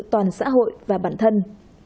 toàn xã hội và bản thân